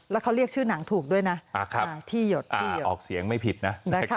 แล้วเขาเรียกชื่อหนังถูกด้วยนะที่หยดที่ออกเสียงไม่ผิดนะ